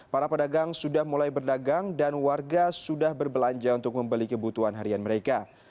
para pedagang sudah mulai berdagang dan warga sudah berbelanja untuk membeli kebutuhan harian mereka